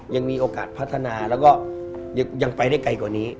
ยังมีโอกาสพัฒนาแล้วก็ยังไปได้ไกลกว่านี้